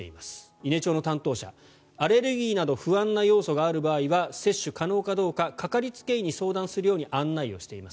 伊根町の担当者アレルギーなど不安な要素がある場合は接種可能かどうかかかりつけ医に相談するように案内をしています。